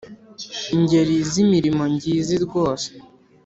Ingeri z’imirimo ngizi rwose